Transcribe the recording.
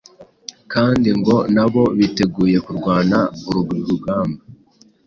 kandi ngo na bo biteguye kurwana uru rugamba